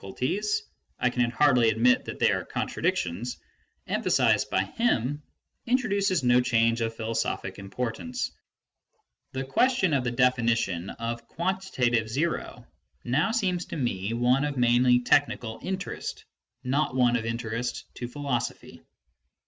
BRADLEY. 377 the difficiilties (I can hardly admit that they are contradictions) emphasised by him, introduces no change of philosophic importance. The question of the definition of the quantitative zero now seems to me one of mainly technical interest, not one of interest to philosophy.